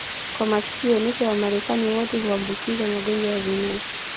kwa makisio nusu ya Wamarekani wote huambukizwa magonjwa ya zinaa